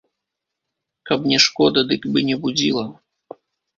Каб не шкода, дык бы не будзіла.